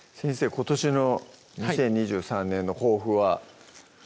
今年の２０２３年の抱負は？